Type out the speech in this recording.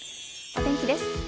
お天気です。